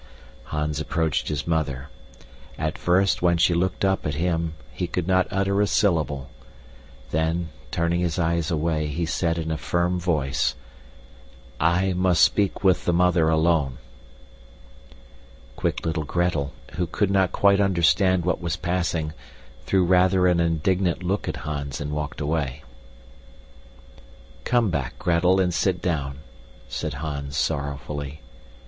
Hans approached his mother; at first, when she looked up at him, he could not utter a syllable; then, turning his eyes away, he said in a firm voice, "I must speak with the mother alone." Quick little Gretel, who could not quite understand what was passing, threw rather an indignant look at Hans and walked away. "Come back, Gretel, and sit down," said Hans, sorrowfully.